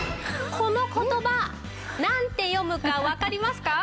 この言葉なんて読むかわかりますか？